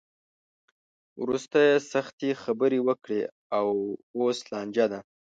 وروسته یې سختې خبرې وکړې؛ اوس لانجه ده.